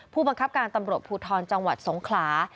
ผู้บังคับการตำรวจภูทรจังหวัดสงขลา